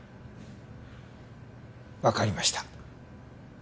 わかりました。